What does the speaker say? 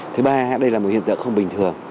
thứ ba đây là một hiện tượng không bình thường